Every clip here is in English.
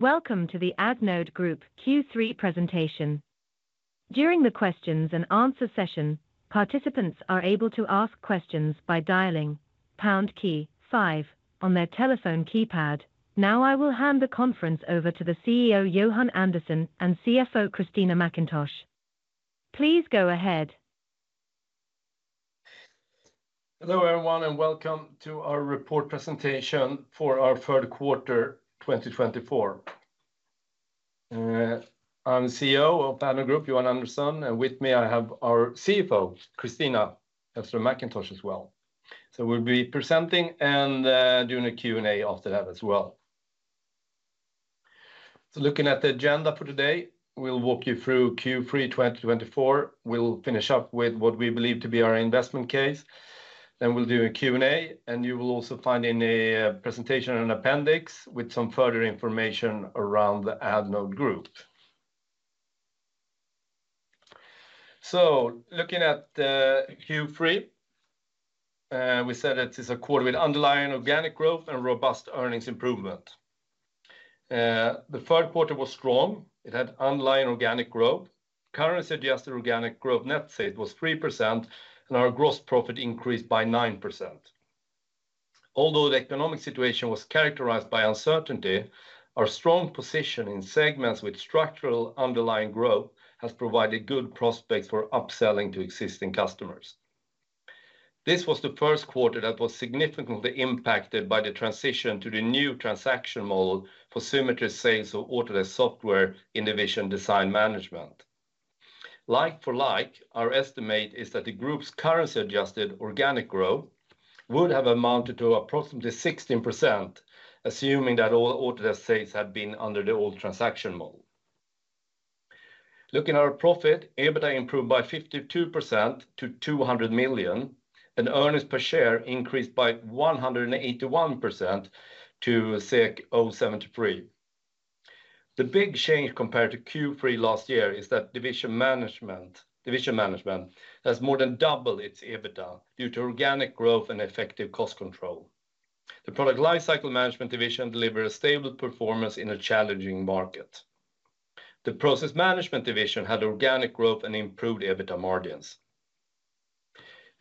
Welcome to the Addnode Group Q3 presentation. During the questions and answer session, participants are able to ask questions by dialing pound key five on their telephone keypad. Now, I will hand the conference over to the CEO, Johan Andersson; and CFO, Kristina Mackintosh. Please go ahead. Hello, everyone, and welcome to our report presentation for our third quarter, twenty twenty-four. I'm CEO of Addnode Group, Johan Andersson, and with me, I have our CFO, Kristina Elfström Mackintosh, as well. So we'll be presenting and doing a Q&A after that as well. So looking at the agenda for today, we'll walk you through Q3 twenty twenty-four. We'll finish up with what we believe to be our investment case. Then we'll do a Q&A, and you will also find in the presentation an appendix with some further information around the Addnode Group. So looking at Q3, we said it is a quarter with underlying organic growth and robust earnings improvement. The third quarter was strong. It had underlying organic growth. Currency-adjusted organic growth net sales was 3%, and our gross profit increased by 9%. Although the economic situation was characterized by uncertainty, our strong position in segments with structural underlying growth has provided good prospects for upselling to existing customers. This was the first quarter that was significantly impacted by the transition to the new transaction model for Symetri sales of Autodesk software in the division Design Management. Like for like, our estimate is that the group's currency-adjusted organic growth would have amounted to approximately 16%, assuming that all Autodesk sales had been under the old transaction model. Looking at our profit, EBITDA improved by 52% to 200 million, and earnings per share increased by 181% to 0.73. The big change compared to Q3 last year is that Design Management has more than doubled its EBITDA due to organic growth and effective cost control. The Product Lifecycle Management division delivered a stable performance in a challenging market. The process management division had organic growth and improved EBITDA margins.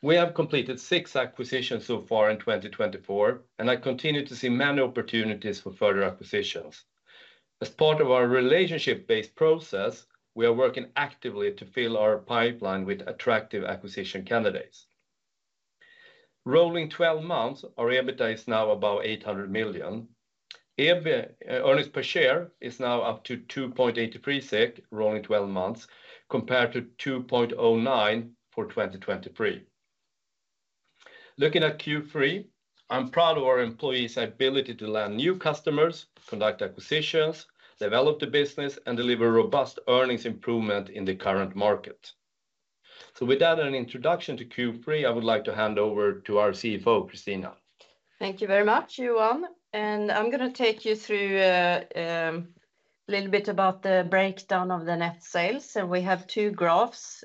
We have completed six acquisitions so far in 2024, and I continue to see many opportunities for further acquisitions. As part of our relationship-based process, we are working actively to fill our pipeline with attractive acquisition candidates. Rolling twelve months, our EBITDA is now above 800 million. Earnings per share is now up to 2.83 SEK, rolling twelve months, compared to 2.09 for 2023. Looking at Q3, I'm proud of our employees' ability to land new customers, conduct acquisitions, develop the business, and deliver robust earnings improvement in the current market. With that as an introduction to Q3, I would like to hand over to our CFO, Kristina. Thank you very much, Johan, and I'm gonna take you through a little bit about the breakdown of the net sales, so we have two graphs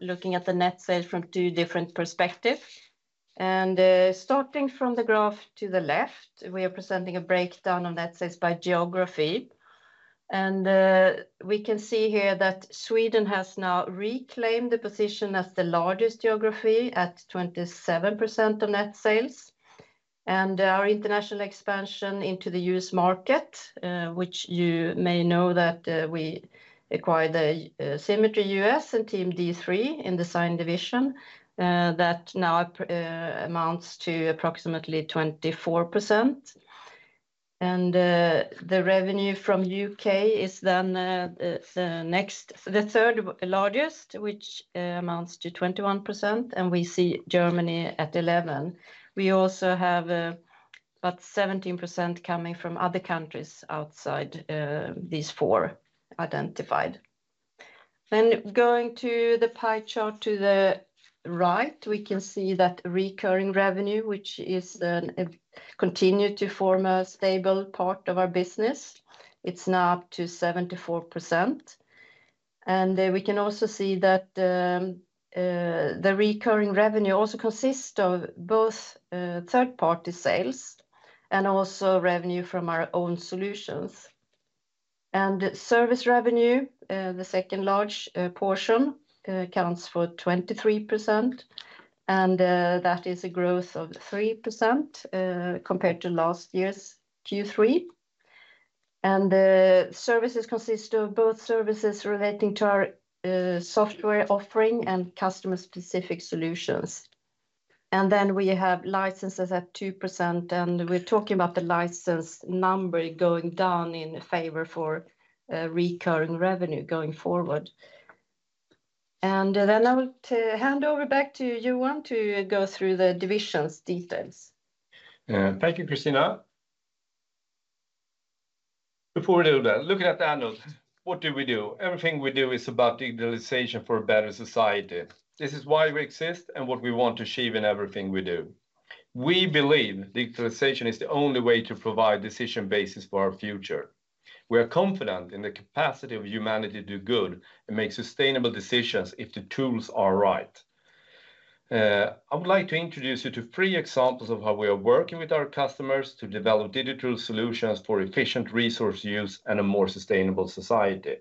looking at the net sales from two different perspective, and starting from the graph to the left, we are presenting a breakdown on net sales by geography, and we can see here that Sweden has now reclaimed the position as the largest geography at 27% of net sales, and our international expansion into the U.S. market, which you may know, that we acquired the Symetri U.S. and Team D3 in Design Division, that now amounts to approximately 24%, and the revenue from U.K. is then the next, the third largest, which amounts to 21%, and we see Germany at 11%. We also have about 17% coming from other countries outside these four identified, then going to the pie chart to the right, we can see that recurring revenue, which is continue to form a stable part of our business. It's now up to 74%, and then we can also see that the recurring revenue also consists of both third-party sales and also revenue from our own solutions. And service revenue, the second large portion, accounts for 23%, and that is a growth of 3% compared to last year's Q3. And services consist of both services relating to our software offering and customer-specific solutions. And then we have licenses at 2%, and we're talking about the license number going down in favor for recurring revenue going forward. And then I would hand over back to Johan to go through the divisions details. Thank you, Kristina. Before we do that, looking at Addnode, what do we do? Everything we do is about digitalization for a better society. This is why we exist and what we want to achieve in everything we do. We believe digitalization is the only way to provide decision basis for our future. We are confident in the capacity of humanity to do good and make sustainable decisions if the tools are right. I would like to introduce you to three examples of how we are working with our customers to develop digital solutions for efficient resource use and a more sustainable society.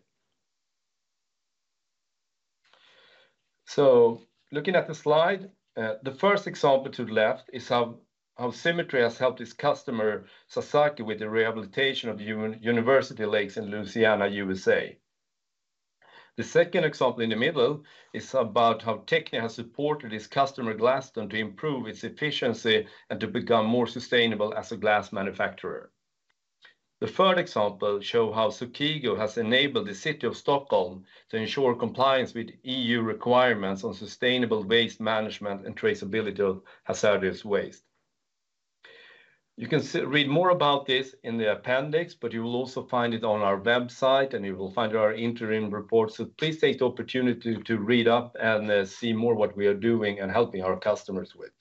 So looking at the slide, the first example to the left is how Symetri has helped its customer, Sasaki, with the rehabilitation of the University Lakes in Louisiana, USA. The second example in the middle is about how Technia has supported its customer, Glaston, to improve its efficiency and to become more sustainable as a glass manufacturer. The third example show how Sokigo has enabled the city of Stockholm to ensure compliance with EU requirements on sustainable waste management and traceability of hazardous waste. You can read more about this in the appendix, but you will also find it on our website, and you will find our interim report, so please take the opportunity to read up and see more what we are doing and helping our customers with,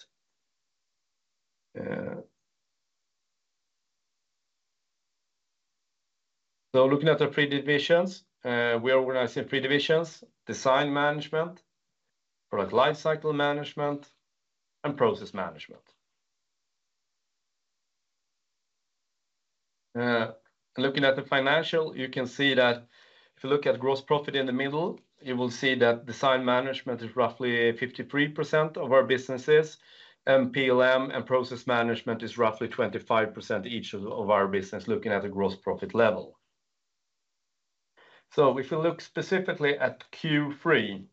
so looking at the three divisions, we organize in three divisions: Design Management, Product Lifecycle Management, and Process Management. Looking at the financial, you can see that if you look at gross profit in the middle, you will see that Design Management is roughly 53% of our businesses, and PLM and Process Management is roughly 25% each of our business, looking at the gross profit level. So if you look specifically at Q3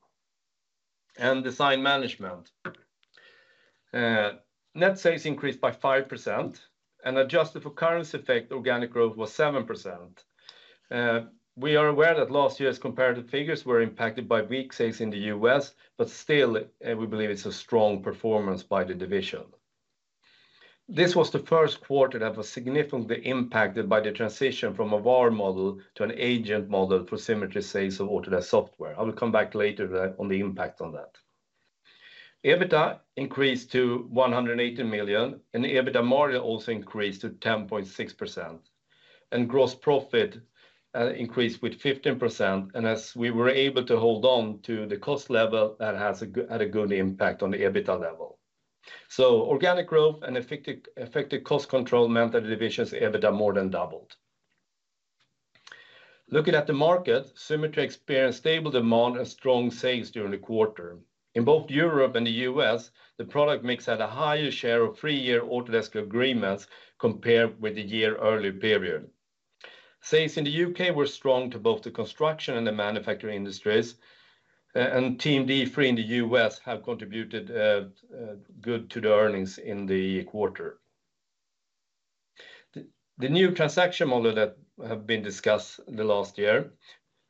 and Design Management, net sales increased by 5%, and adjusted for currency effect, organic growth was 7%. We are aware that last year's comparative figures were impacted by weak sales in the U.S., but still, we believe it's a strong performance by the division. This was the first quarter that was significantly impacted by the transition from a VAR model to an Agent model for Symetri sales of Autodesk software. I will come back later on the impact on that. EBITDA increased to 180 million, and the EBITDA margin also increased to 10.6%, and gross profit increased with 15%, and as we were able to hold on to the cost level, that had a good impact on the EBITDA level, so organic growth and effective cost control meant that the division's EBITDA more than doubled. Looking at the market, Symetri experienced stable demand and strong sales during the quarter. In both Europe and the U.S., the product mix had a higher share of three-year Autodesk agreements compared with the year-earlier period. Sales in the U.K. were strong to both the construction and the manufacturing industries, and Team D3 in the U.S. have contributed good to the earnings in the quarter. The new transaction model that have been discussed in the last year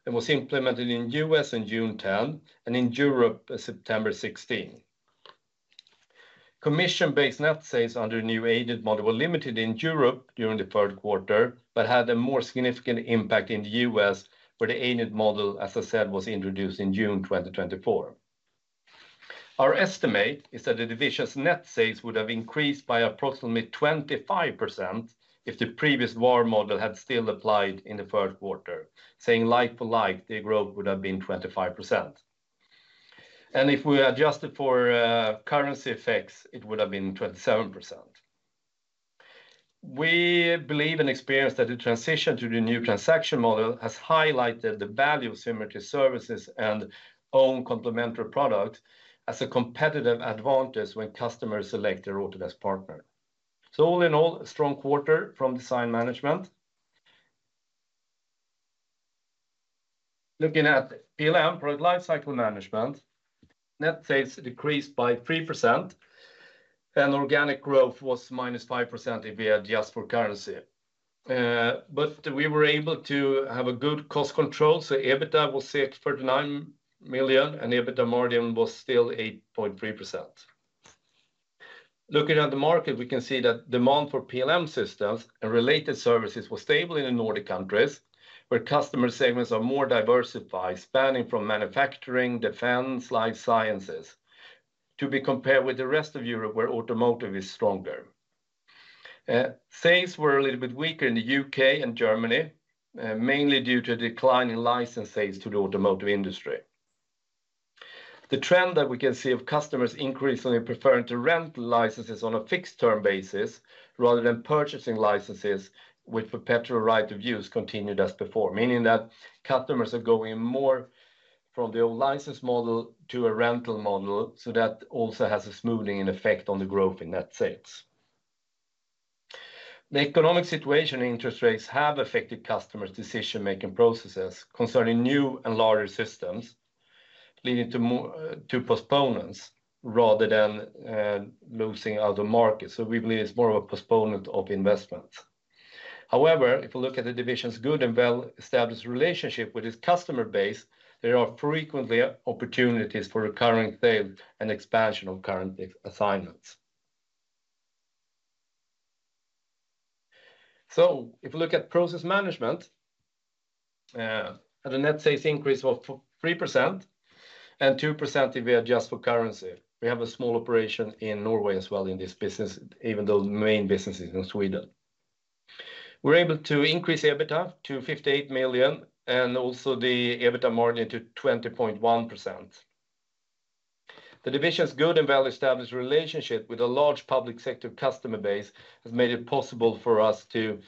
and was implemented in U.S. in June 10 and in Europe, September 16. Commission-based net sales under the new Agent model were limited in Europe during the third quarter but had a more significant impact in the U.S., where the Agent model, as I said, was introduced in June 2024. Our estimate is that the division's net sales would have increased by approximately 25% if the previous VAR model had still applied in the third quarter, saying like for like, the growth would have been 25%. And if we adjusted for currency effects, it would have been 27%. We believe and experience that the transition to the new transaction model has highlighted the value of Symetri services and own complementary product as a competitive advantage when customers select their Autodesk partner. So all in all, a strong quarter from Design Management. Looking at PLM, Product Lifecycle Management, net sales decreased by 3%, and organic growth was -5% if we adjust for currency. But we were able to have a good cost control, so EBITDA was 649 million, and EBITDA margin was still 8.3%. Looking at the market, we can see that demand for PLM systems and related services were stable in the Nordic countries, where customer segments are more diversified, spanning from manufacturing, defense, life sciences, to be compared with the rest of Europe, where automotive is stronger. Sales were a little bit weaker in the U.K. and Germany, mainly due to a decline in license sales to the automotive industry. The trend that we can see of customers increasingly preferring to rent licenses on a fixed-term basis rather than purchasing licenses with perpetual right of use continued as before, meaning that customers are going more from the old license model to a rental model, so that also has a smoothing and effect on the growth in net sales. The economic situation and interest rates have affected customers' decision-making processes concerning new and larger systems, leading to more to postponements rather than losing out the market. So we believe it's more of a postponement of investments. However, if you look at the division's good and well-established relationship with its customer base, there are frequently opportunities for recurring sales and expansion of current assignments. So if you look at Process Management, had a net sales increase of 3% and 2% if we adjust for currency. We have a small operation in Norway as well in this business, even though the main business is in Sweden. We're able to increase EBITDA to 58 million, and also the EBITDA margin to 20.1%. The division's good and well-established relationship with a large public sector customer base has made it possible for us to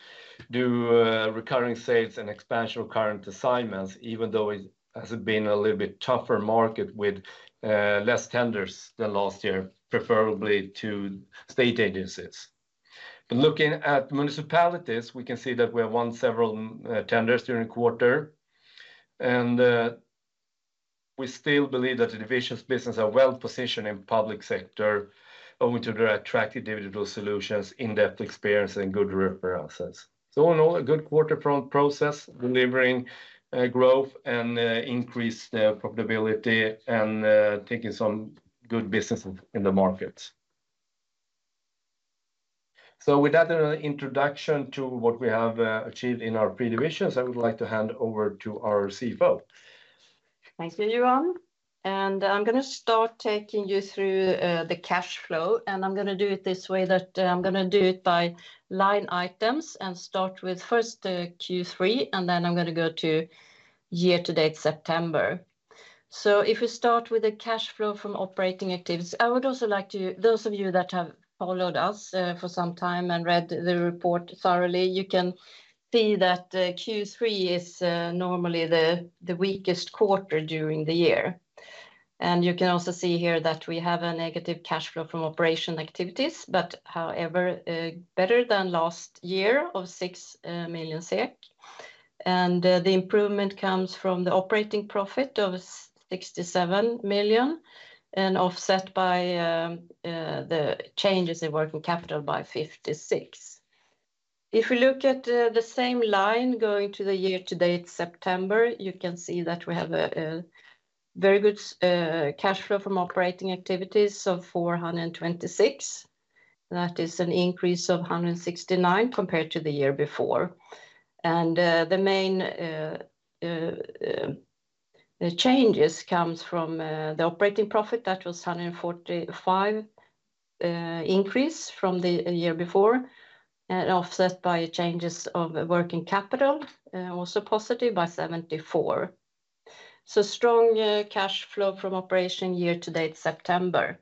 do recurring sales and expansion of current assignments, even though it has been a little bit tougher market with less tenders than last year, preferably to state agencies. But looking at municipalities, we can see that we have won several tenders during the quarter, and we still believe that the divisions business are well positioned in public sector, owing to their attractive individual solutions, in-depth experience, and good references. So in all, a good quarter for Process, delivering growth and increased profitability and taking some good business in the markets. So with that introduction to what we have achieved in our business divisions, I would like to hand over to our CFO. Thank you, Johan, and I'm gonna start taking you through the cash flow, and I'm gonna do it this way, that I'm gonna do it by line items and start with first the Q3, and then I'm gonna go to year to date, September. So if we start with the cash flow from operating activities, those of you that have followed us for some time and read the report thoroughly, you can see that Q3 is normally the weakest quarter during the year. And you can also see here that we have a negative cash flow from operating activities, but however, better than last year of 6 million SEK. And the improvement comes from the operating profit of 67 million, and offset by the changes in working capital by 56. If we look at the same line going to the year to date, September, you can see that we have a very good cash flow from operating activities of 426 million. That is an increase of 169 million compared to the year before. And the main changes comes from the operating profit. That was 145 million increase from the year before, and offset by changes of working capital, also positive by 74 million. So strong cash flow from operation year to date, September.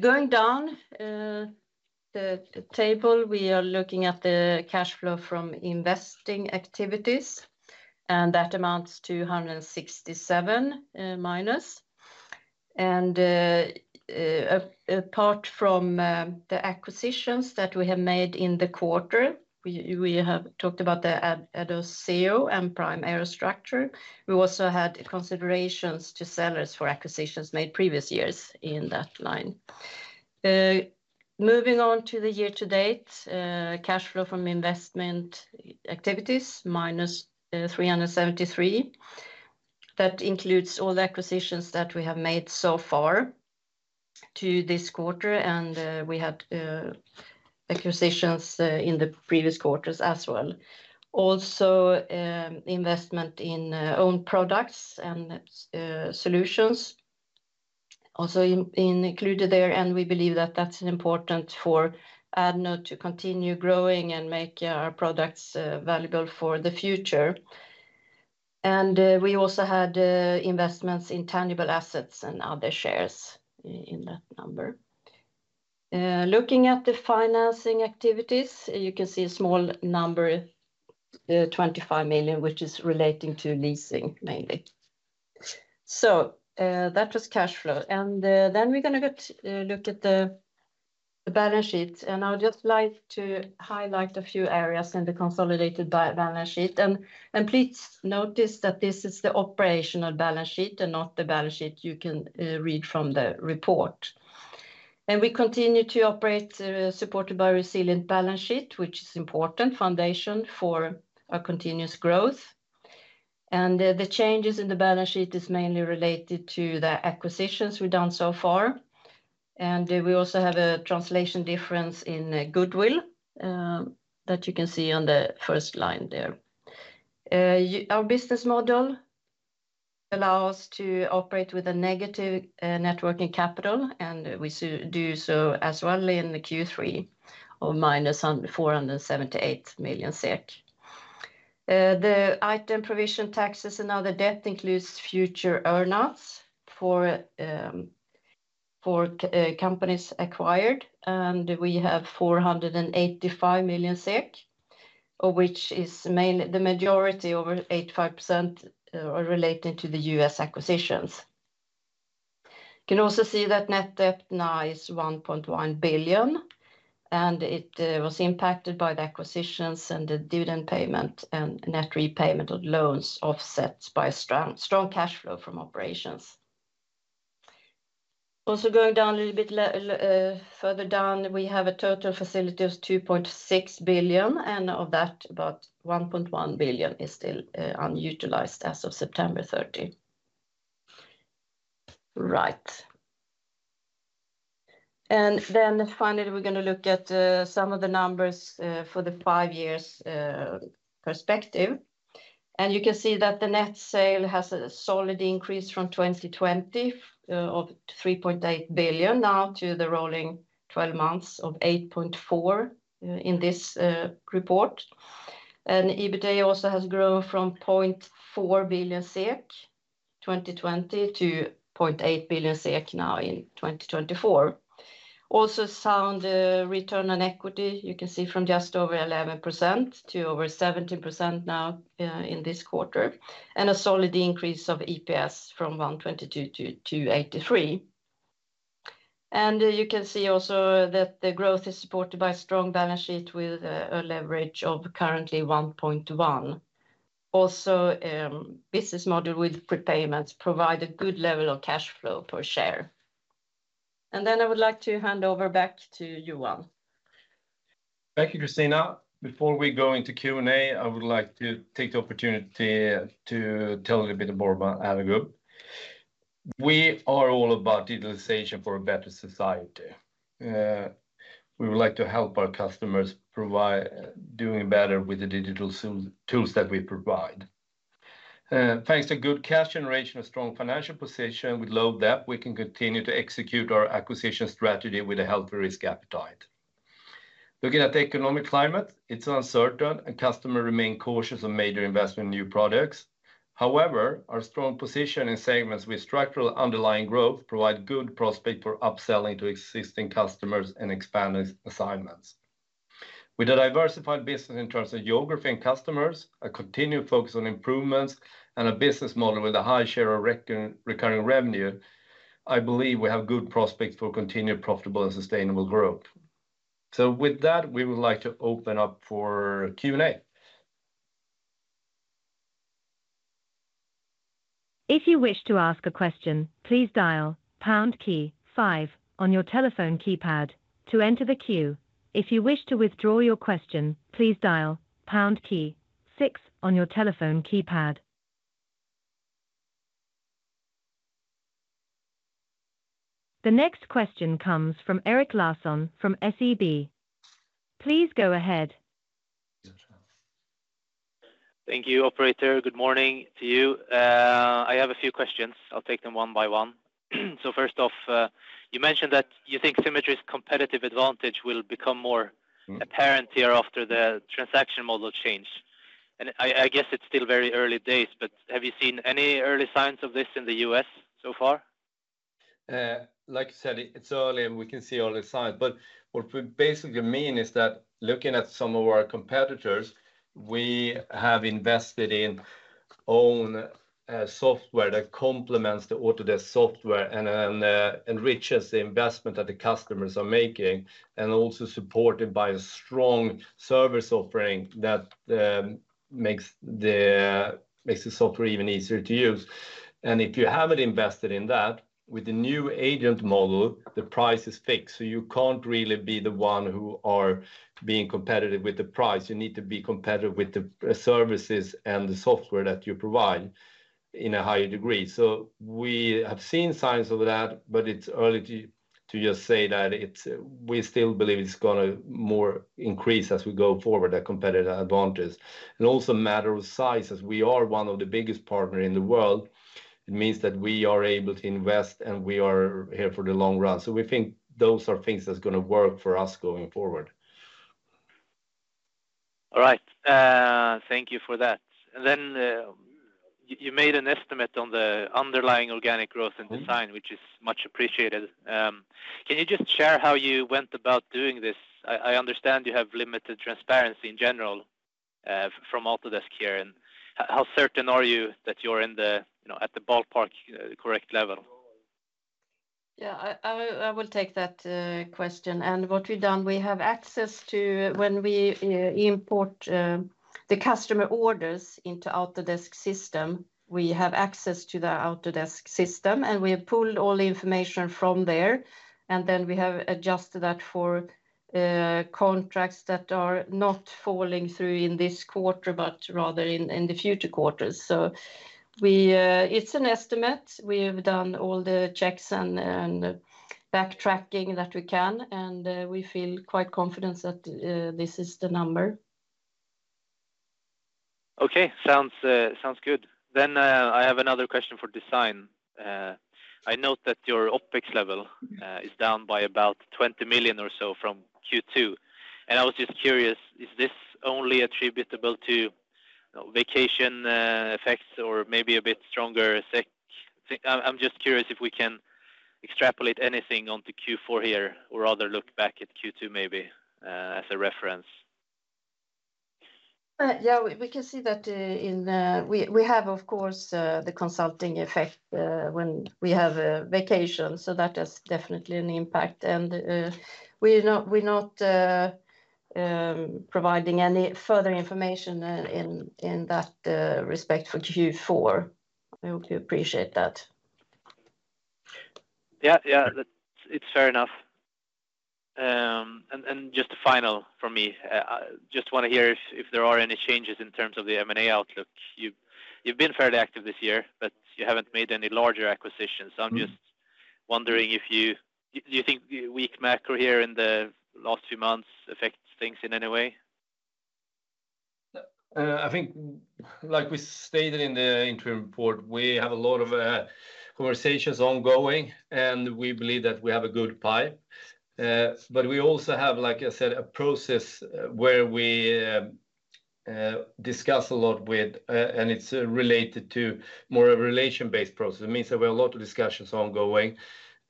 Going down the table, we are looking at the cash flow from investing activities, and that amounts to -167. And apart from the acquisitions that we have made in the quarter, we have talked about the Addoceo and Prime Aerostructures. We also had considerations to sellers for acquisitions made previous years in that line. Moving on to the year to date, cash flow from investment activities, -373 million. That includes all the acquisitions that we have made so far to this quarter, and we had acquisitions in the previous quarters as well. Also, investment in own products and solutions, also included there, and we believe that that's important for Addnode to continue growing and make our products valuable for the future, and we also had investments in tangible assets and other shares in that number. Looking at the financing activities, you can see a small number, 25 million, which is relating to leasing, mainly, that was cash flow. Then we're gonna go to look at the balance sheet, and I would just like to highlight a few areas in the consolidated balance sheet. Please notice that this is the operational balance sheet and not the balance sheet you can read from the report. We continue to operate supported by a resilient balance sheet, which is important foundation for a continuous growth. The changes in the balance sheet is mainly related to the acquisitions we've done so far. We also have a translation difference in goodwill that you can see on the first line there. Our business model allows us to operate with a negative net working capital, and we do so as well in the Q3, of -478 million SEK. The item provision taxes another debt includes future earnouts for companies acquired, and we have 485 million SEK, which is the majority, over 85%, are related to the U.S. acquisitions. You can also see that net debt now is 1.1 billion, and it was impacted by the acquisitions and the dividend payment and net repayment of loans offsets by strong cash flow from operations. Also going down a little bit further down, we have a total facility of 2.6 billion, and of that, about 1.1 billion is still unutilized as of September thirty. Right. Then finally, we're gonna look at some of the numbers for the five years perspective. And you can see that the net sales has a solid increase from 2020 of 3.8 billion SEK to the rolling twelve months of 8.4 billion in this report. And EBITDA also has grown from 0.4 billion SEK, 2020 SEK to 0.8 billion now in 2024. Also sound return on equity, you can see from just over 11% to over 17% now in this quarter, and a solid increase of EPS from 1.22-8.3. And you can see also that the growth is supported by strong balance sheet with a leverage of currently 1.1x. Also, business model with prepayments provide a good level of cash flow per share. And then I would like to hand over back to Johan. Thank you, Kristina. Before we go into Q&A, I would like to take the opportunity to tell a little bit more about Addnode Group. We are all about digitalization for a better society. We would like to help our customers provide, doing better with the digital tools, tools that we provide. Thanks to good cash generation and strong financial position, we love that we can continue to execute our acquisition strategy with a healthy risk appetite. Looking at the economic climate, it's uncertain, and customer remain cautious on major investment in new products. However, our strong position in segments with structural underlying growth provide good prospect for upselling to existing customers and expanding assignments. With a diversified business in terms of geography and customers, a continued focus on improvements and a business model with a high share of recurring revenue, I believe we have good prospects for continued profitable and sustainable growth. So with that, we would like to open up for Q&A. If you wish to ask a question, please dial pound key five on your telephone keypad to enter the queue. If you wish to withdraw your question, please dial pound key six on your telephone keypad. The next question comes from Erik Larsson from SEB. Please go ahead. Thank you, operator. Good morning to you. I have a few questions. I'll take them one by one. So first off, you mentioned that you think Symetri's competitive advantage will become more apparent here after the transaction model change, and I, I guess it's still very early days, but have you seen any early signs of this in the U.S. so far? Like you said, it's early, and we can see all the signs. But what we basically mean is that looking at some of our competitors, we have invested in own software that complements the Autodesk software and enriches the investment that the customers are making, and also supported by a strong service offering that makes the software even easier to use. And if you haven't invested in that, with the new agent model, the price is fixed, so you can't really be the one who are being competitive with the price. You need to be competitive with the services and the software that you provide in a higher degree. So we have seen signs of that, but it's early to just say that it's, we still believe it's gonna more increase as we go forward, a competitive advantage. And also matter of size, as we are one of the biggest partners in the world. It means that we are able to invest, and we are here for the long run. So we think those are things that's gonna work for us going forward. All right, thank you for that. And then, you made an estimate on the underlying organic growth and design which is much appreciated. Can you just share how you went about doing this? I understand you have limited transparency in general from Autodesk here. And how certain are you that you're in the, you know, at the ballpark correct level? Yeah, I will take that question. And what we've done, we have access to, when we import the customer orders into Autodesk system, we have access to the Autodesk system, and we have pulled all the information from there, and then we have adjusted that for contracts that are not falling through in this quarter, but rather in the future quarters. So, it's an estimate. We've done all the checks and backtracking that we can, and we feel quite confident that this is the number. Okay, sounds good. Then I have another question for design. I note that your OpEx level is down by about 20 million or so from Q2. And I was just curious, is this only attributable to vacation effects or maybe a bit stronger effect? I'm just curious if we can extrapolate anything onto Q4 here, or rather look back at Q2, maybe, as a reference. Yeah, we can see that in. We have, of course, the consulting effect when we have a vacation, so that has definitely an impact, and we're not providing any further information in that respect for Q4. I hope you appreciate that. Yeah, yeah, that, it's fair enough, and just a final from me. I just wanna hear if there are any changes in terms of the M&A outlook? You've been fairly active this year, but you haven't made any larger acquisitions. I'm just wondering if you do you think the weak macro here in the last few months affects things in any way? I think, like we stated in the interim report, we have a lot of conversations ongoing, and we believe that we have a good pipe. But we also have, like I said, a process where we discuss a lot with, and it's related to more a relation-based process. It means that we have a lot of discussions ongoing,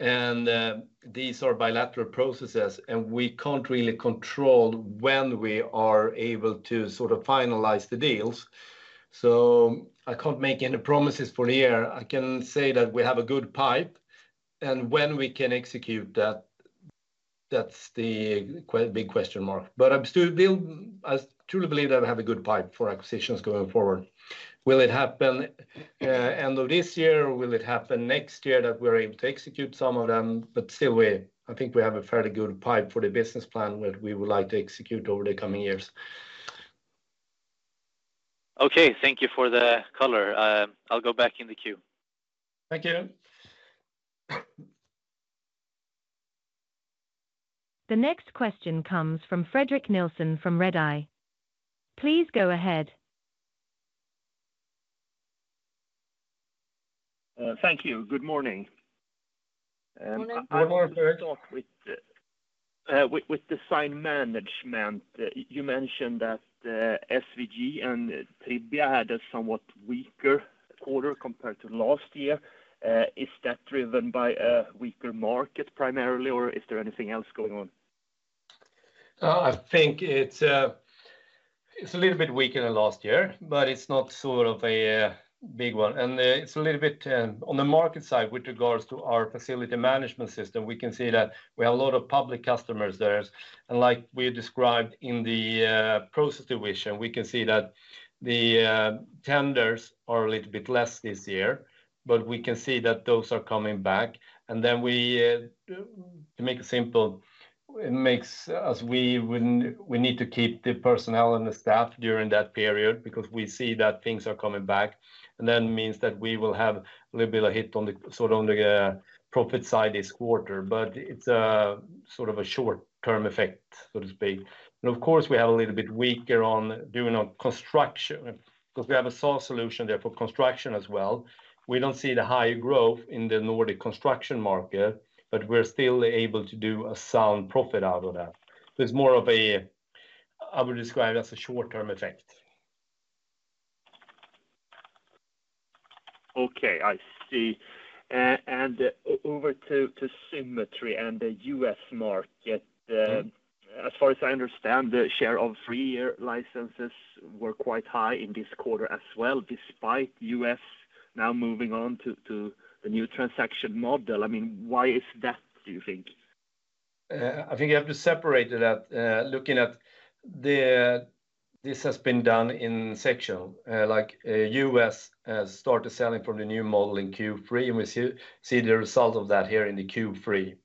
and these are bilateral processes, and we can't really control when we are able to sort of finalize the deals. So I can't make any promises for the year. I can say that we have a good pipe, and when we can execute that, that's the big question mark. But I truly believe that we have a good pipe for acquisitions going forward. Will it happen end of this year, or will it happen next year that we're able to execute some of them? But still, I think we have a fairly good pipeline for the business plan that we would like to execute over the coming years. Okay, thank you for the color. I'll go back in the queue. Thank you. The next question comes from Fredrik Nilsson from Redeye. Please go ahead. Thank you. Good morning. Good morning. With the Design Management, you mentioned that SWG and Tribia had a somewhat weaker quarter compared to last year. Is that driven by a weaker market primarily, or is there anything else going on? I think it's a little bit weaker than last year, but it's not sort of a big one. It's a little bit on the market side with regards to our facility management system. We can see that we have a lot of public customers there. Like we described in the process division, we can see that the tenders are a little bit less this year, but we can see that those are coming back. Then, to make it simple, it makes us we need to keep the personnel and the staff during that period because we see that things are coming back. And that means that we will have a little bit of a hit on the sort of profit side this quarter, but it's a sort of a short-term effect, so to speak. And of course, we have a little bit weaker in the construction, because we have a software solution there for construction as well. We don't see the high growth in the Nordic construction market, but we're still able to do a sound profit out of that. There's more of a short-term effect, which I would describe as a short term effect. Okay, I see, and over to Symetri and the U.S. market. As far as I understand, the share of three-year licenses were quite high in this quarter as well, despite U.S. now moving on to the new transaction model. I mean, why is that, do you think? I think you have to separate it at, looking at the, this has been done in section. Like, U.S. started selling from the new model in Q3, and we see the result of that here in the Q3.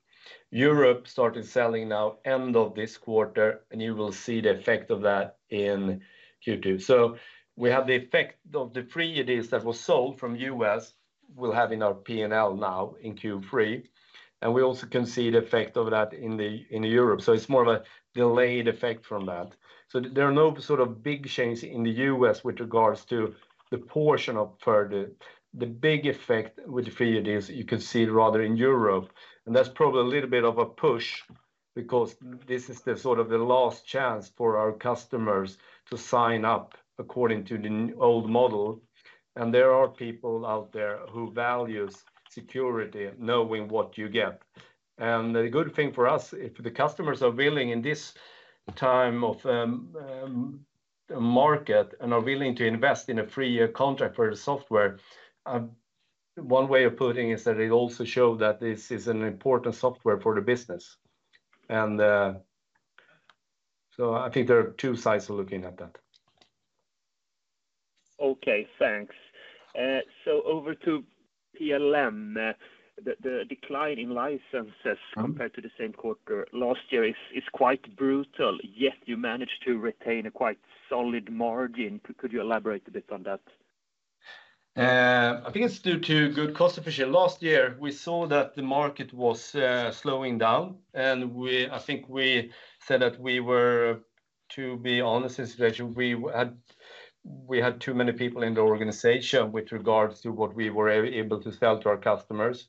Europe started selling now end of this quarter, and you will see the effect of that in Q2. So we have the effect of the three ideas that were sold from U.S., we'll have in our P&L now in Q3, and we also can see the effect of that in Europe, so it's more of a delayed effect from that. So there are no sort of big changes in the U.S. with regards to the portion of the big effect, with the three ideas, you could see rather in Europe. And that's probably a little bit of a push because this is the sort of the last chance for our customers to sign up according to the old model. And there are people out there who values security, knowing what you get. And the good thing for us, if the customers are willing, in this time of market, and are willing to invest in a three-year contract for the software, one way of putting is that it also show that this is an important software for the business. And so I think there are two sides to looking at that. Okay, thanks. So over to PLM, the decline in licenses compared to the same quarter last year is quite brutal, yet you managed to retain a quite solid margin. Could you elaborate a bit on that? I think it's due to good cost efficiency. Last year, we saw that the market was slowing down, and I think we said that we were, to be honest, situation we had, we had too many people in the organization with regards to what we were able to sell to our customers.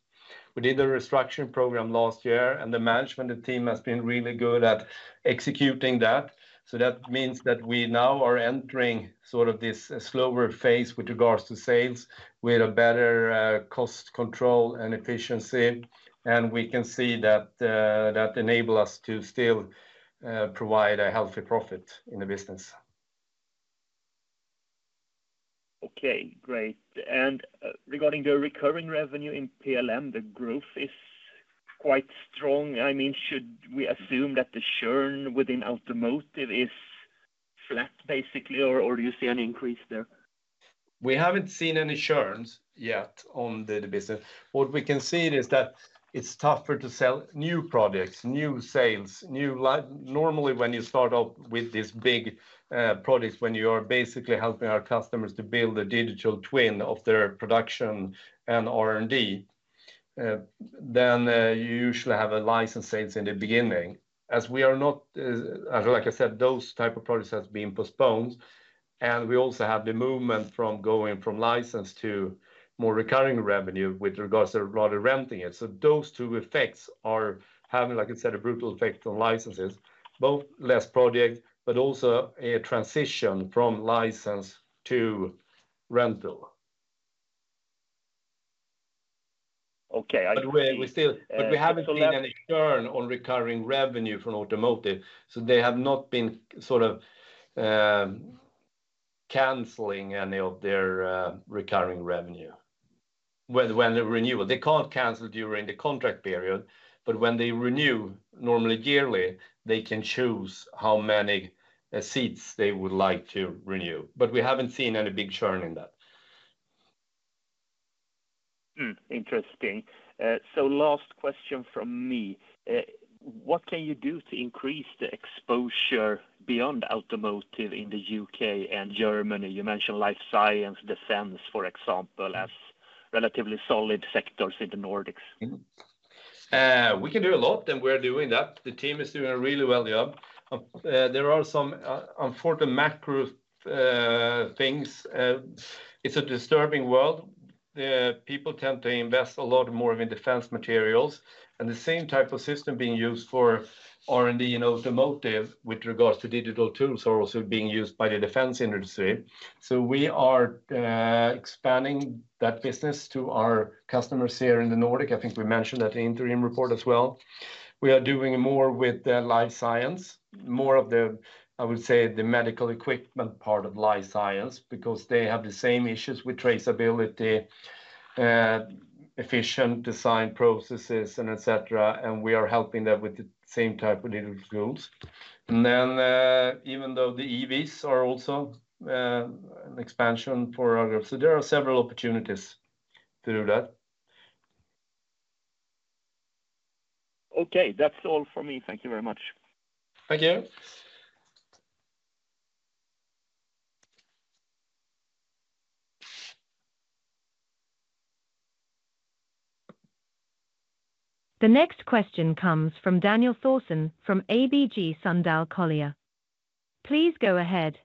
We did the restructuring program last year, and the management team has been really good at executing that. So that means that we now are entering sort of this slower phase with regards to sales, with a better cost control and efficiency. And we can see that that enable us to still provide a healthy profit in the business. Okay, great. And regarding the recurring revenue in PLM, the growth is quite strong. I mean, should we assume that the churn within automotive is flat basically, or do you see an increase there? We haven't seen any churns yet on the business. What we can see is that it's tougher to sell new products, new sales. Normally, when you start off with these big products, when you are basically helping our customers to build a digital twin of their production and R&D, then you usually have license sales in the beginning. As we are not, like I said, those type of products has been postponed, and we also have the movement from going from license to more recurring revenue with regards to rather renting it. So those two effects are having, like I said, a brutal effect on licenses, both less project, but also a transition from license to rental. Okay, I. But we still. But we haven't seen any churn on recurring revenue from automotive, so they have not been sort of canceling any of their recurring revenue. When they renew, they can't cancel during the contract period, but when they renew, normally yearly, they can choose how many seats they would like to renew. But we haven't seen any big churn in that. Interesting. So last question from me. What can you do to increase the exposure beyond automotive in the U.K. and Germany? You mentioned life science, defense, for example, as relatively solid sectors in the Nordics. We can do a lot, and we're doing that. The team is doing a really well job. There are some unfortunate macro things. It's a disturbing world. People tend to invest a lot more in defense materials, and the same type of system being used for R&D in automotive with regards to digital tools are also being used by the defense industry. So we are expanding that business to our customers here in the Nordic. I think we mentioned that in the interim report as well. We are doing more with the life science, more of the, I would say, the medical equipment part of life science, because they have the same issues with traceability, efficient design processes, and et cetera, and we are helping them with the same type of digital tools. And then, even though the EVs are also an expansion for our. So there are several opportunities to do that. Okay, that's all for me. Thank you very much. Thank you. The next question comes from Daniel Thorsson from ABG Sundal Collier. Please go ahead.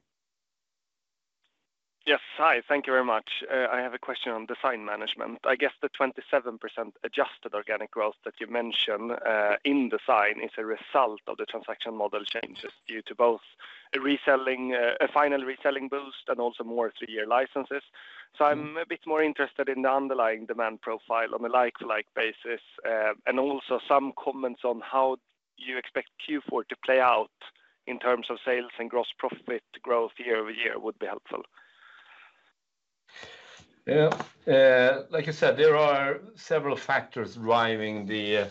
Yes. Hi, thank you very much. I have a question on Design Management. I guess the 27% adjusted organic growth that you mentioned in design is a result of the transaction model changes due to both a reseller final reselling boost and also more three-year licenses. So I'm a bit more interested in the underlying demand profile on a like-for-like basis, and also some comments on how you expect Q4 to play out in terms of sales and gross profit growth year-over-year would be helpful. Yeah, like I said, there are several factors driving the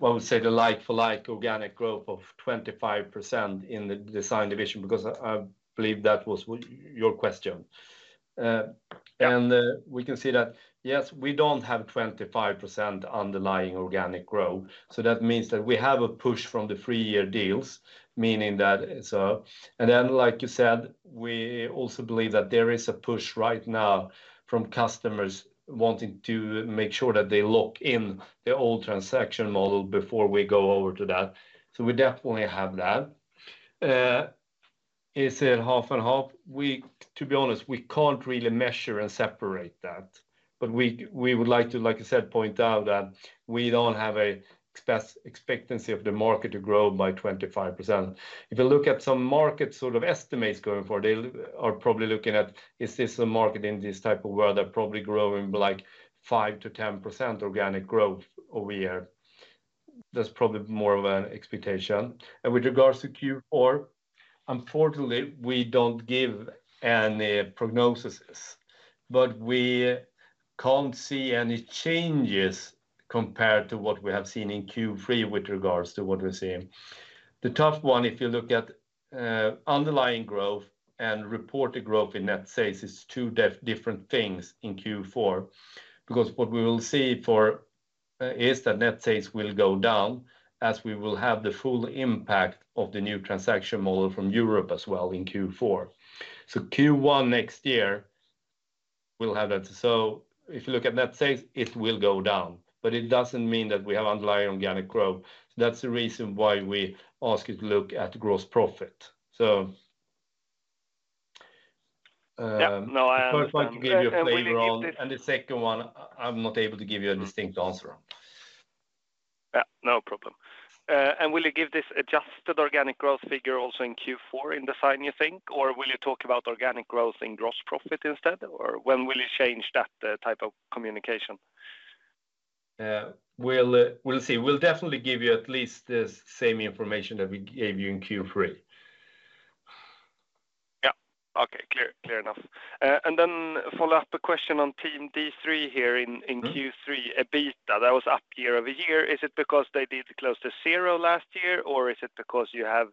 like-for-like organic growth of 25% in the design division, because I believe that was your question. Yeah. We can see that, yes, we don't have 25% underlying organic growth, so that means that we have a push from the three-year deals, meaning that it's... And then, like you said, we also believe that there is a push right now from customers wanting to make sure that they lock in the old transaction model before we go over to that, so we definitely have that. Is it half and half? We, to be honest, we can't really measure and separate that, but we, we would like to, like I said, point out that we don't have an expectancy of the market to grow by 25%. If you look at some market sort of estimates going forward, they are probably looking at, is this a market in this type of world that probably growing by, like, 5% to 10% organic growth over year? That's probably more of an expectation. And with regards to Q4, unfortunately, we don't give any prognoses, but we can't see any changes compared to what we have seen in Q3 with regards to what we're seeing. The tough one, if you look at underlying growth and reported growth in net sales, is two different things in Q4. Because what we will see is that net sales will go down, as we will have the full impact of the new transaction model from Europe as well in Q4. So Q1 next year, we'll have that. So if you look at net sales, it will go down, but it doesn't mean that we have underlying organic growth. That's the reason why we ask you to look at gross profit. So. Yeah, no, I. First one to give you a flavor on, and the second one, I'm not able to give you a distinct answer on. Yeah, no problem. And will you give this adjusted organic growth figure also in Q4 in the future, you think? Or will you talk about organic growth in gross profit instead, or when will you change that type of communication? We'll see. We'll definitely give you at least the same information that we gave you in Q3. Okay, clear, clear enough. And then follow up a question on Team D3 here in Q3, EBITDA, that was up year-over-year. Is it because they did close to zero last year, or is it because you have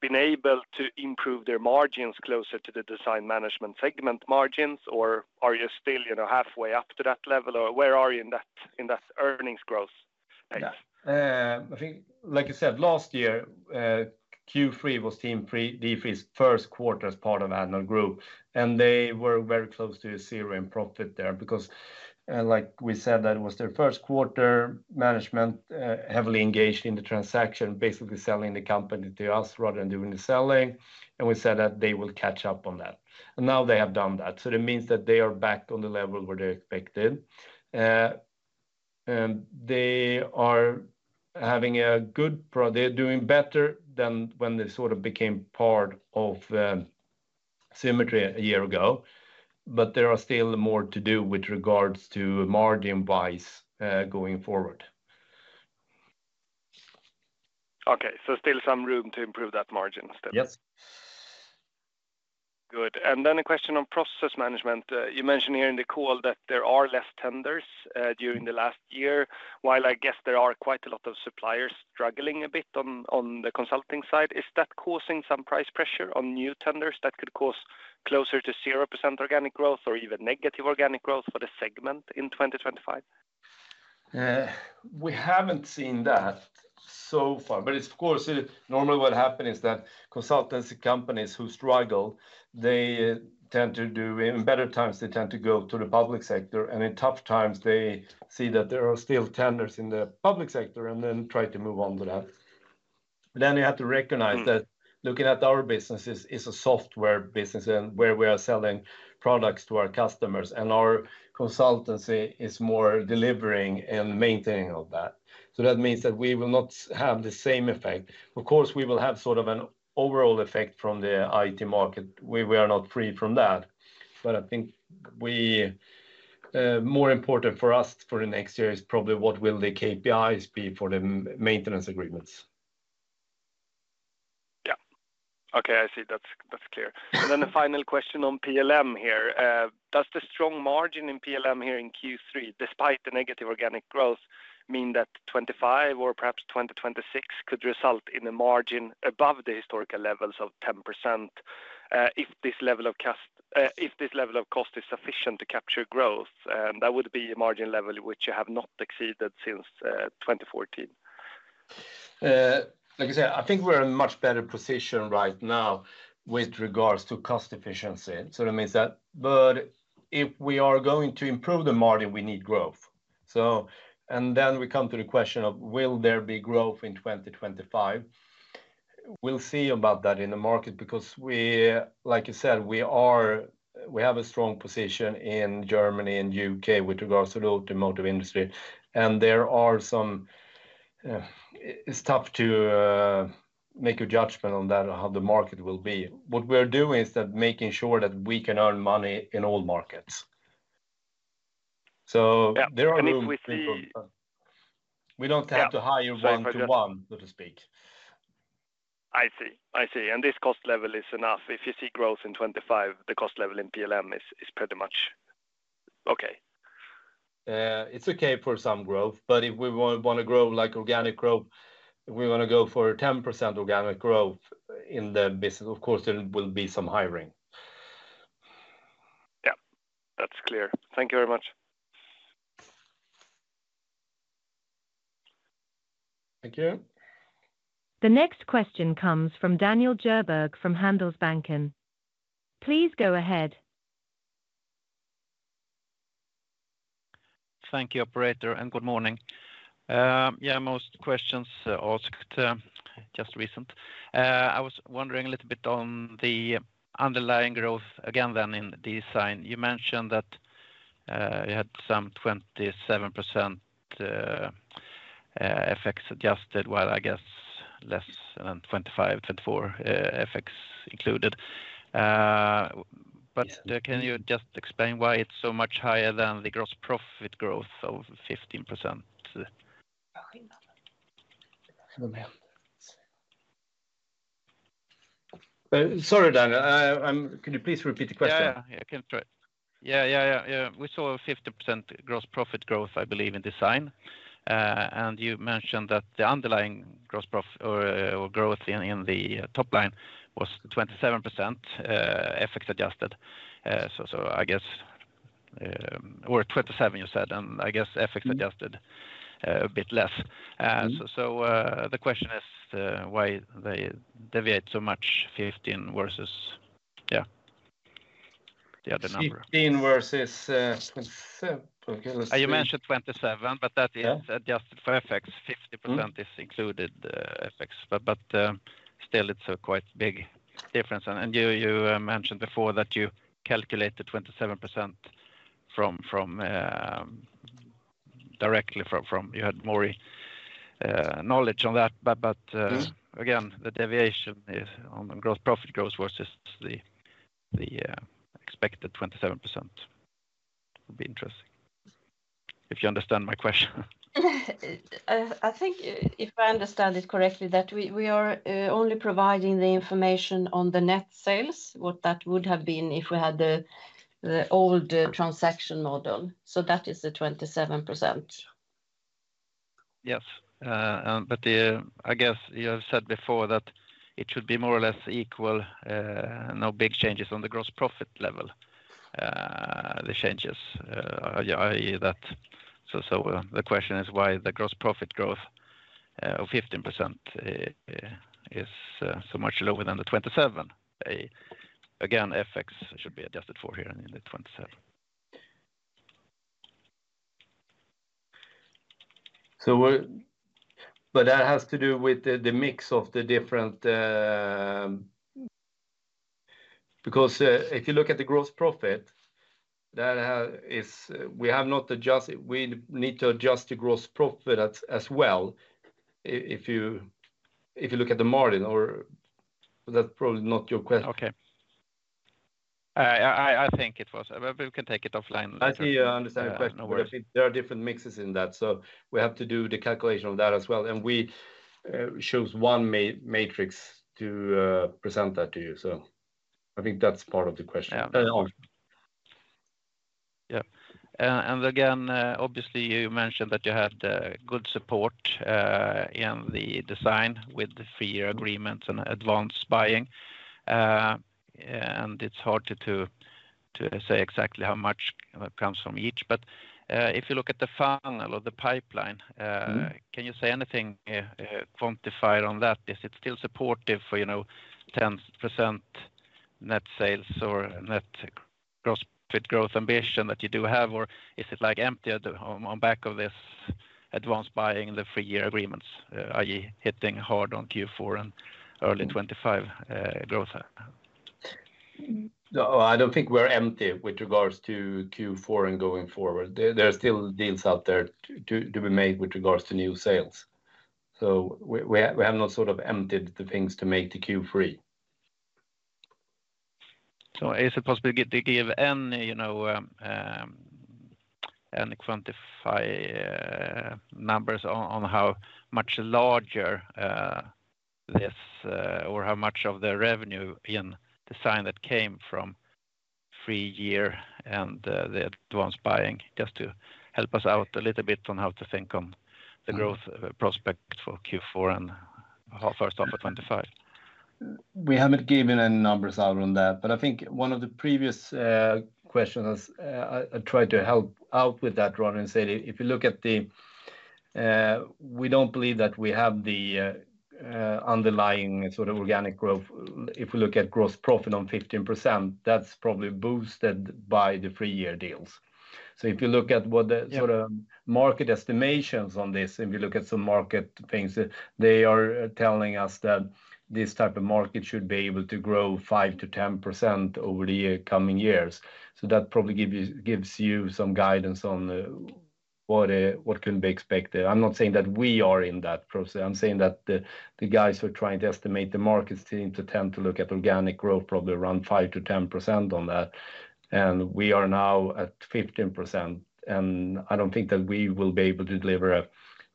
been able to improve their margins closer to the Design Management segment margins, or are you still, you know, halfway up to that level, or where are you in that earnings growth space? I think, like you said, last year, Q3 was Team D3's first quarter as part of Addnode Group, and they were very close to zero in profit there. Because, like we said, that it was their first quarter. Management heavily engaged in the transaction, basically selling the company to us rather than doing the selling, and we said that they will catch up on that, and now they have done that, so it means that they are back on the level where they're expected, and they're doing better than when they sort of became part of Symetri a year ago, but there are still more to do with regards to margin-wise, going forward. Okay, so still some room to improve that margin? Yes. Good. And then a question on process management. You mentioned here in the call that there are less tenders during the last year, while I guess there are quite a lot of suppliers struggling a bit on the consulting side. Is that causing some price pressure on new tenders that could cause closer to 0% organic growth or even negative organic growth for the segment in 2025? We haven't seen that so far, but it's, of course, normally what happened is that consultancy companies who struggle, they tend to do. In better times, they tend to go to the public sector, and in tough times, they see that there are still tenders in the public sector and then try to move on to that. But then you have to recognize that looking at our business is a software business and where we are selling products to our customers, and our consultancy is more delivering and maintaining of that. So that means that we will not have the same effect. Of course, we will have sort of an overall effect from the IT market. We are not free from that, but I think more important for us for the next year is probably what the KPIs will be for the maintenance agreements. Yeah. Okay, I see. That's, that's clear. And then the final question on PLM here. Does the strong margin in PLM here in Q3, despite the negative organic growth, mean that 2025 or perhaps 2026 could result in a margin above the historical levels of 10%, if this level of cost is sufficient to capture growth? That would be a margin level, which you have not exceeded since 2014. Like I said, I think we're in a much better position right now with regards to cost efficiency. That means that, but if we are going to improve the margin, we need growth. And then we come to the question of, will there be growth in twenty twenty-five? We'll see about that in the market, because, like you said, we have a strong position in Germany and U.K. with regards to the automotive industry. And there are some, it's tough to make a judgment on that, on how the market will be. What we are doing is that making sure that we can earn money in all markets. So. Yeah, and if we see- There are room. We don't have to hire. Yeah One to one, so to speak. I see. I see. And this cost level is enough. If you see growth in 2025, the cost level in PLM is pretty much okay. It's okay for some growth, but if we want to grow, like organic growth, we want to go for a 10% organic growth in the business. Of course, there will be some hiring. Yeah, that's clear. Thank you very much. Thank you. The next question comes from Daniel Djurberg, from Handelsbanken. Please go ahead. Thank you, operator, and good morning. Yeah, most questions asked just recently. I was wondering a little bit on the underlying growth again, then in design. You mentioned that you had some 27% effects adjusted, while I guess less than 25, 24 effects included. But can you just explain why it's so much higher than the gross profit growth of 15%? Sorry, Daniel. Can you please repeat the question? Yeah. I can try. Yeah. We saw a 50% gross profit growth, I believe, in design. And you mentioned that the underlying gross profit growth in the top line was 27%, effects adjusted. So I guess, or twenty-seven, you said, and I guess effects adjusted, a bit less. The question is, why they deviate so much, 15 versus the other number? 15% versus 27%? Okay, let's see. You mentioned 27%, but that is. Yeah Adjusted for effects. 50% is included, effects, but still it's a quite big difference. And you mentioned before that you calculated 27% from directly from... You had more knowledge on that. But, again, the deviation is on the gross profit growth versus the expected 27% would be interesting if you understand my question? I think, if I understand it correctly, that we are only providing the information on the net sales, what that would have been if we had the old transaction model, so that is the 27%. Yes. And but the, I guess you have said before that it should be more or less equal, no big changes on the gross profit level. The changes are, yeah, that. So, the question is why the gross profit growth of 15% is so much lower than the 27%? Again, FX should be adjusted for here in the 27%. That has to do with the mix of the different. Because if you look at the gross profit, that is, we have not adjusted. We need to adjust the gross profit as well. If you look at the margin or, but that's probably not your question. Okay. I think it was, but we can take it offline later. I think I understand your question. Yeah, no worries. But I think there are different mixes in that, so we have to do the calculation on that as well, and we chose one matrix to present that to you. So I think that's part of the question. Yeah. Yeah, and again, obviously, you mentioned that you had good support in the design with the three-year agreement and advanced buying, and it's hard to say exactly how much comes from each, but if you look at the funnel or the pipeline, can you say anything quantified on that? Is it still supportive for, you know, 10% net sales or net gross profit growth ambition that you do have? Or is it, like, empty on the back of this advanced buying the three-year agreements, i.e., hitting hard on Q4 and early 2025, growth? No, I don't think we're empty with regards to Q4 and going forward. There are still deals out there to be made with regards to new sales. So we have not sort of emptied the things to make the Q3. So is it possible to give any, you know, any quantified numbers on how much larger this or how much of the revenue in design that came from three-year and the advanced buying? Just to help us out a little bit on how to think on the growth prospect for Q4 and first half of 2025. We haven't given any numbers out on that, but I think one of the previous questions, I tried to help out with that one and said, if you look at the... We don't believe that we have the underlying sort of organic growth. If we look at gross profit on 15%, that's probably boosted by the three-year deals. So if you look at what the sort of market estimations on this, if you look at some market things, they are telling us that this type of market should be able to grow 5%-10% over the year, coming years. So that probably give you, gives you some guidance on what can be expected. I'm not saying that we are in that process. I'm saying that the, the guys who are trying to estimate the markets seem to tend to look at organic growth, probably around 5%-10% on that, and we are now at 15%, and I don't think that we will be able to deliver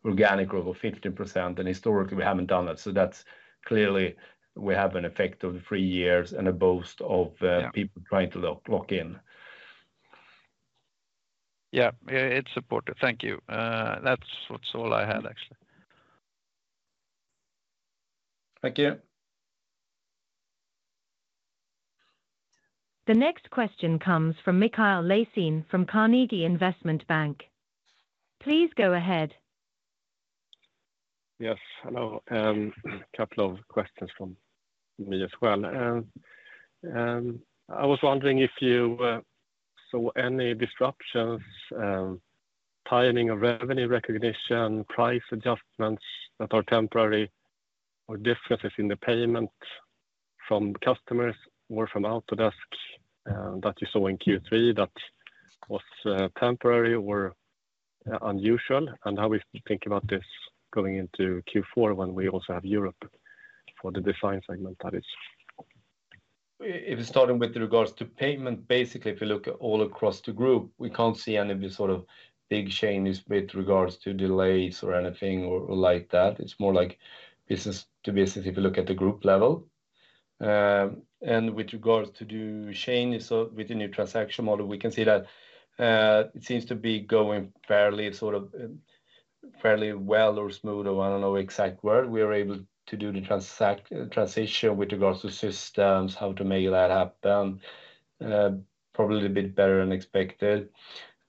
organic growth of 15%, and historically we haven't done that. So that's clearly we have an effect of the three years and a boost of. Yeah People trying to lock in. Yeah, yeah, it's supported. Thank you. That's what's all I had, actually. Thank you. The next question comes from Mikael Laséen from Carnegie Investment Bank. Please go ahead. Yes, hello. Couple of questions from me as well. I was wondering if you saw any disruptions, timing of revenue recognition, price adjustments that are temporary, or differences in the payment from customers or from Autodesk, that you saw in Q3 that was temporary or unusual, and how we think about this going into Q4, when we also have Europe for the design segment, that is. If starting with regards to payment, basically, if you look all across the group, we can't see any of the sort of big changes with regards to delays or anything or, like that. It's more like business to business, if you look at the group level. And with regards to the changes of, with the new transaction model, we can see that, it seems to be going fairly, sort of, fairly well or smooth, or I don't know exact word. We are able to do the transition with regards to systems, how to make that happen, probably a bit better than expected.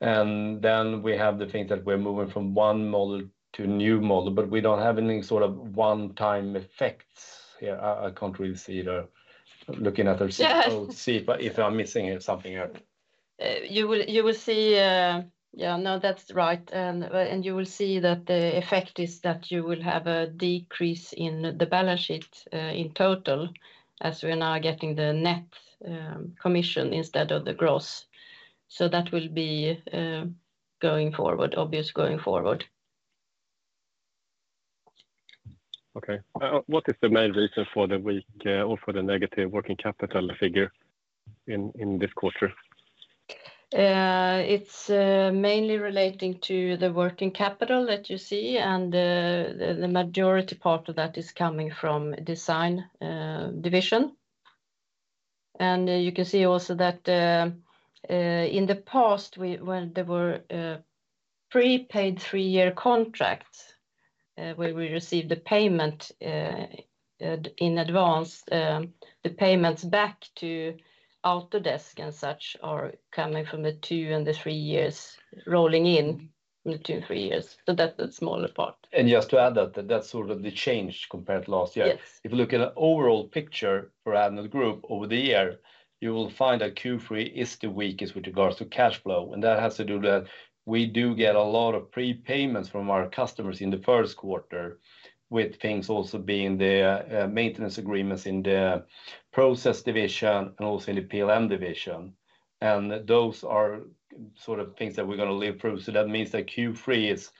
And then we have the things that we're moving from one model to new model, but we don't have any sort of one-time effects here. I can't really see the ooking at the. Yeah See, but if I'm missing something here. You will see. Yeah, no, that's right. And you will see that the effect is that you will have a decrease in the balance sheet in total, as we are now getting the net commission instead of the gross. So that will be going forward, obviously going forward. Okay, what is the main reason for the weak, or for the negative working capital figure in this quarter? It's mainly relating to the working capital that you see, and the majority part of that is coming from Design division, and you can see also that in the past, well, there were prepaid three-year contracts where we received the payment in advance. The payments back to Autodesk and such are coming from the two and the three years, rolling in the two, three years. So that the smaller part. And just to add that, that's sort of the change compared to last year. Yes. If you look at the overall picture for Addnode Group over the year, you will find that Q3 is the weakest with regards to cash flow, and that has to do that we do get a lot of prepayments from our customers in the first quarter, with things also being the maintenance agreements in the process division and also in the PLM division. And those are sort of things that we're gonna live through. So that means that Q3 is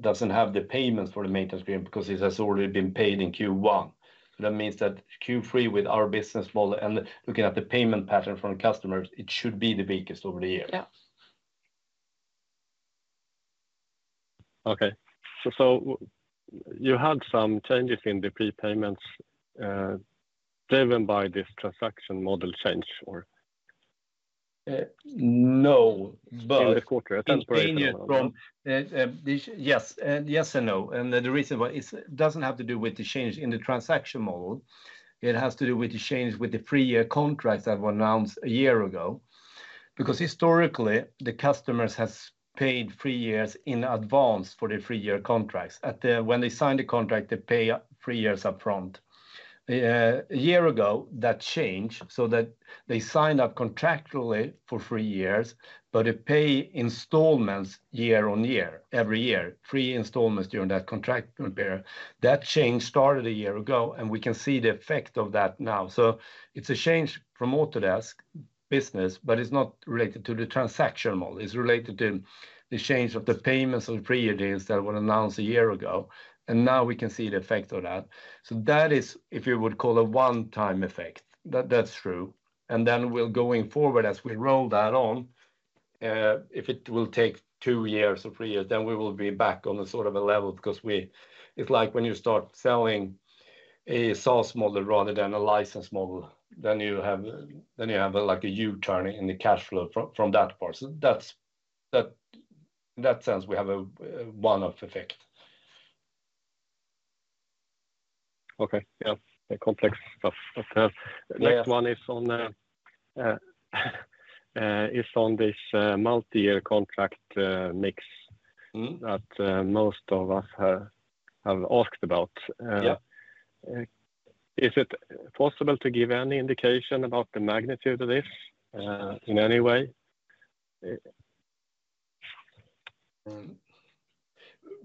doesn't have the payments for the maintenance agreement because it has already been paid in Q1. So that means that Q3, with our business model and looking at the payment pattern from customers, it should be the weakest over the year. Yeah. Okay. So you had some changes in the prepayments, driven by this transaction model change or? No, but. In the quarter, a temporary one. From, yes, and yes and no. And the reason why is it doesn't have to do with the change in the transaction model, it has to do with the change with the three-year contracts that were announced a year ago. Because historically, the customers has paid three years in advance for the three-year contracts. When they sign the contract, they pay three years upfront. A year ago, that changed so that they signed up contractually for three years, but they pay installments year on year, every year, three installments during that contract period. That change started a year ago, and we can see the effect of that now. So it's a change from Autodesk business, but it's not related to the transaction model. It's related to the change of the payments and pre-orders that were announced a year ago, and now we can see the effect of that. So that is, if you would call a one-time effect, that, that's true. And then we'll going forward as we roll that on, if it will take two years or three years, then we will be back on a sort of a level, because It's like when you start selling a SaaS model rather than a license model, then you have, then you have like a U-turn in the cash flow from, from that part. So that's, that, in that sense, we have a, a one-off effect. Okay. Yeah, a complex stuff. Okay. Yeah. Next one is on this multi-year contract mix that most of us have asked about. Yeah. Is it possible to give any indication about the magnitude of this in any way?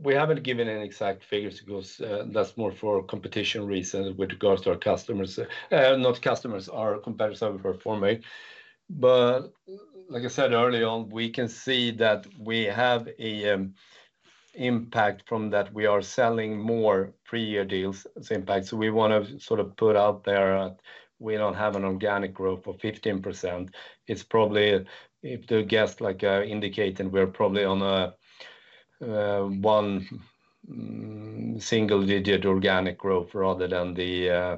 We haven't given any exact figures because that's more for competition reasons with regards to our customers. Not customers, our competitors for [Formway]. But like I said early on, we can see that we have a impact from that. We are selling more three-year deals in fact. So we want to sort of put out there that we don't have an organic growth of 15%. It's probably, if the guidance like indicated, we're probably on a single-digit organic growth rather than the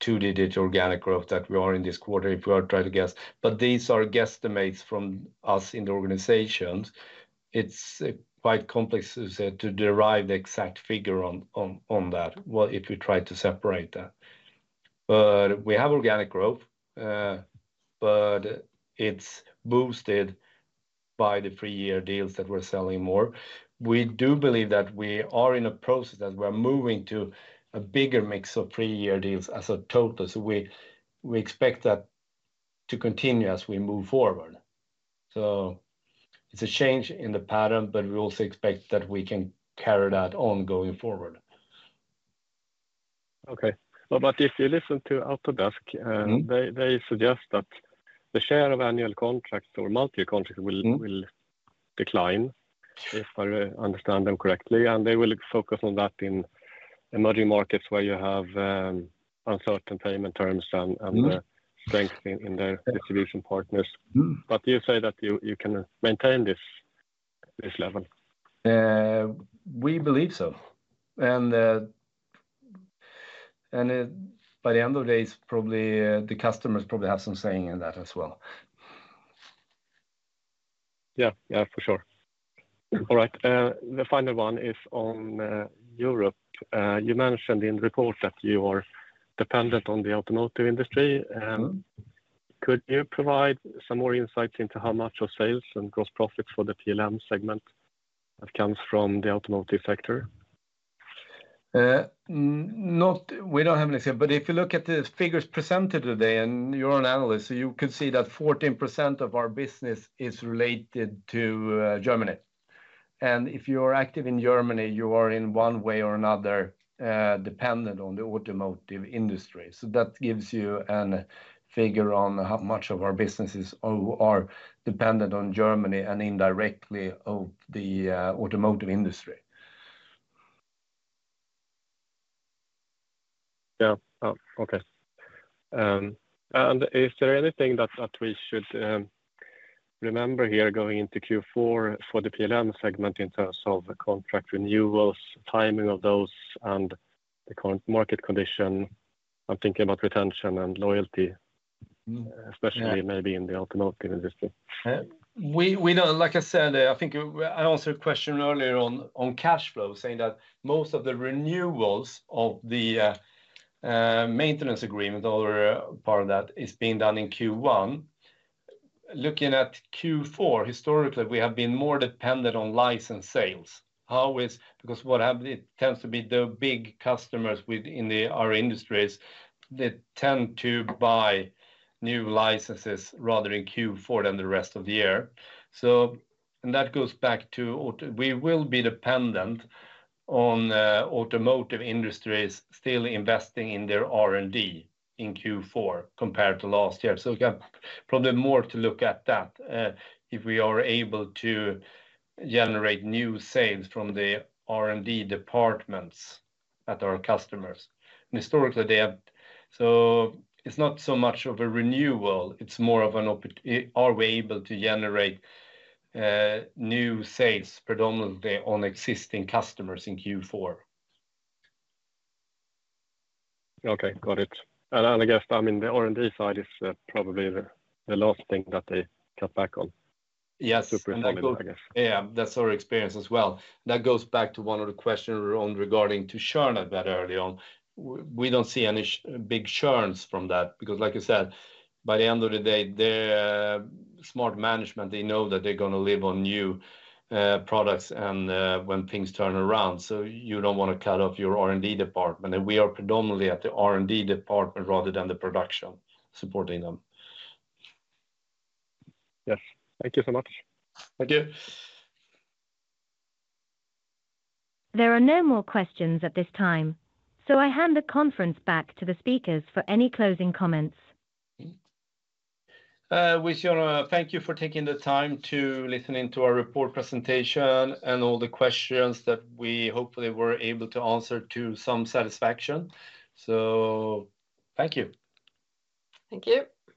two-digit organic growth that we are in this quarter, if we are trying to guess. But these are guesstimates from us in the organizations. It's quite complex, as I said, to derive the exact figure on that, well, if you try to separate that. But we have organic growth, but it's boosted by the three-year deals that we're selling more. We do believe that we are in a process, that we're moving to a bigger mix of three-year deals as a total. So we expect that to continue as we move forward. So it's a change in the pattern, but we also expect that we can carry that on, going forward. Okay. But if you listen to Autodesk they suggest that the share of annual contracts or multi-year contracts will decline, if I understand them correctly, and they will focus on that in emerging markets where you have uncertain payment terms and strength in their distribution partners. But you say that you can maintain this level? We believe so, and by the end of the day, it's probably the customers probably have some say in that as well. Yeah. Yeah, for sure. All right, the final one is on Europe. You mentioned in the report that you are dependent on the automotive industry. Could you provide some more insights into how much of sales and gross profits for the PLM segment that comes from the automotive sector? No, we don't have any sales. But if you look at the figures presented today, and you're an analyst, you could see that 14% of our business is related to Germany. And if you are active in Germany, you are, in one way or another, dependent on the automotive industry. So that gives you a figure on how much of our businesses are dependent on Germany and indirectly on the automotive industry. Yeah. Oh, okay. And is there anything that we should remember here going into Q4 for the PLM segment in terms of the contract renewals, timing of those, and the current market condition? I'm thinking about retention and loyalty especially maybe in the automotive industry. We know, like I said, I think I answered a question earlier on cash flow, saying that most of the renewals of the maintenance agreement or part of that is being done in Q1. Looking at Q4, historically, we have been more dependent on license sales. How is-- Because what happened, it tends to be the big customers within our industries, they tend to buy new licenses rather in Q4 than the rest of the year. So and that goes back to auto. We will be dependent on automotive industries still investing in their R&D in Q4 compared to last year. So again, probably more to look at that if we are able to generate new sales from the R&D departments at our customers. And historically, they have. So it's not so much of a renewal, it's more of an opportunity. Are we able to generate new sales predominantly on existing customers in Q4? Okay, got it. And I guess, I mean, the R&D side is probably the last thing that they cut back on. Yes. Super common, I guess. Yeah, that's our experience as well. That goes back to one of the questions regarding churn a bit early on. We don't see any big churns from that, because like I said, by the end of the day, they're smart management, they know that they're gonna live on new products and when things turn around. So you don't want to cut off your R&D department, and we are predominantly at the R&D department rather than the production, supporting them. Yes. Thank you so much. Thank you. There are no more questions at this time, so I hand the conference back to the speakers for any closing comments. We just wanna thank you for taking the time to listen in to our report presentation and all the questions that we hopefully were able to answer to some satisfaction. So thank you. Thank you.